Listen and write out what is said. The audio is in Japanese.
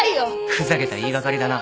ふざけた言い掛かりだな。